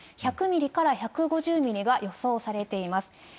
１００ミリから１５０ミリが予想されています。